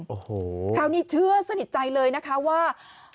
โอ้โหคราวนี้เชื่อสนิทใจเลยนะคะว่า